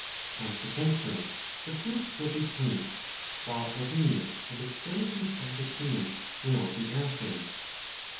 Consequently the fruit will be sweet, while the leaves and extremities of the tree will be acid.